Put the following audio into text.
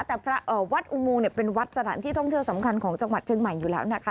แต่วัดอุโมงเนี่ยเป็นวัดสถานที่ท่องเที่ยวสำคัญของจังหวัดเชียงใหม่อยู่แล้วนะคะ